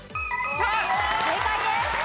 正解です。